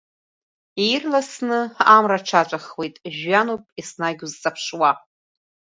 Ирласны амра аҽаҵәахоит, жәҩануп еснагь узҵаԥшуа.